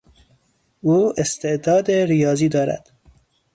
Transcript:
او استعداد ریاضی دارد.